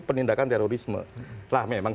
penindakan terorisme lah memang